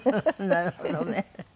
なるほどね。